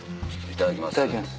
いただきます。